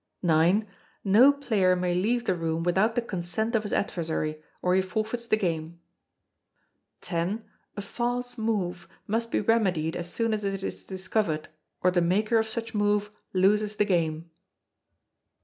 ix. No player may leave the room without the consent of his adversary, or he forfeits the game. x. A false move must be remedied as soon as it is discovered, or the maker of such move loses the game.